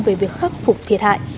về việc khắc phục thiệt hại